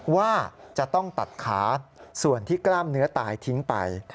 ว่าจะต้องตัดขาส่วนที่กล้ามเนื้อตายทิ้งไป